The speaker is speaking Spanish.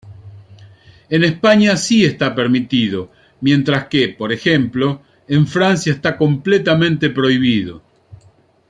En España sí está permitido mientras que, por ejemplo, en Francia está completamente prohibido.